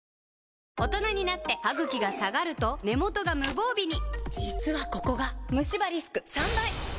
ＪＴ大人になってハグキが下がると根元が無防備に実はここがムシ歯リスク３倍！